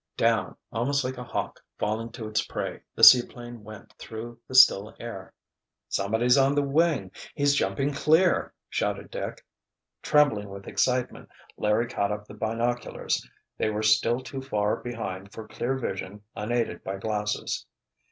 Down, almost like a hawk falling to its prey, the seaplane went through the still air. "Somebody's on the wing—he's jumping clear!" shouted Dick. Trembling with excitement Larry caught up the binoculars. They were still too far behind for clear vision unaided by glasses.